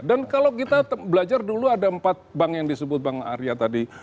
dan kalau kita belajar dulu ada empat bank yang disebut bank arya tadi